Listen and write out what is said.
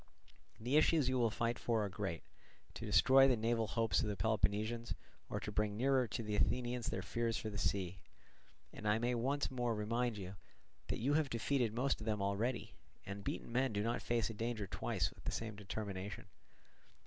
The issues you will fight for are great—to destroy the naval hopes of the Peloponnesians or to bring nearer to the Athenians their fears for the sea. And I may once more remind you that you have defeated most of them already; and beaten men do not face a danger twice with the same determination."